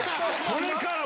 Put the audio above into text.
それから。